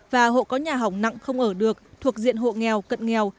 và hộ có nhà hỏng nặng không ở được thuộc diện hộ nghèo cận nghèo